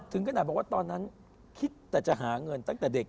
ถึงขนาดบอกว่าตอนนั้นคิดแต่จะหาเงินตั้งแต่เด็ก